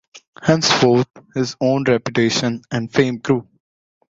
Henceforth, his own reputation and fame grew.